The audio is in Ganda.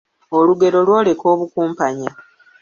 Olugero lwoleka obukumpanya